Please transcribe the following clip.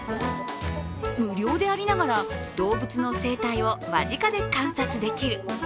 無料でありながら、動物の生態を間近で観察できる。